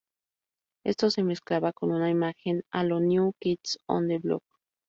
Esto se mezclaba con una imagen a lo New Kids on the Block.